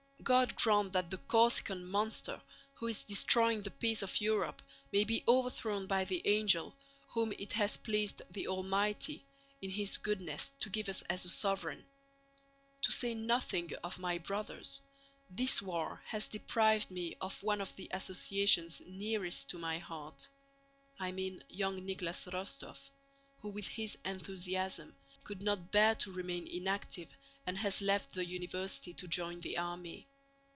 God grant that the Corsican monster who is destroying the peace of Europe may be overthrown by the angel whom it has pleased the Almighty, in His goodness, to give us as sovereign! To say nothing of my brothers, this war has deprived me of one of the associations nearest my heart. I mean young Nicholas Rostóv, who with his enthusiasm could not bear to remain inactive and has left the university to join the army.